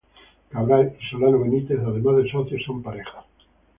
Cabral y Solano Benítez, además de socios son pareja.